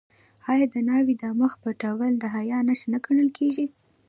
آیا د ناوې د مخ پټول د حیا نښه نه ګڼل کیږي؟